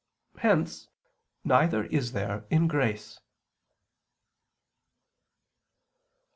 Hence, neither is there in grace.